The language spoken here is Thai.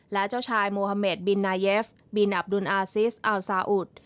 และเจ้าชายโมฮาเมดบินนายเยฟบินอับดุลอาซิสอัลซาอุด